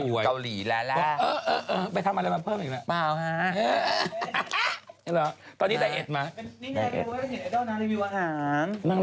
โหปัวอร่อยมาก